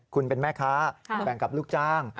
คุณเป็นแม่ค้าแบ่งกับลูกจ้าง